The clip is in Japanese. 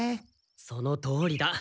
そのとおりだ。